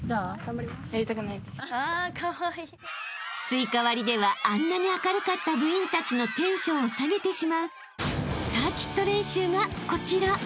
［スイカ割りではあんなに明るかった部員たちのテンションを下げてしまうサーキット練習がこちら］